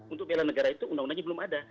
untuk bela negara itu undang undangnya belum ada